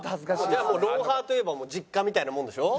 じゃあもう『ロンハー』といえば実家みたいなもんでしょ？